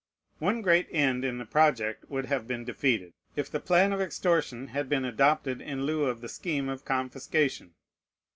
One great end in the project would have been defeated, if the plan of extortion had been adopted in lieu of the scheme of confiscation.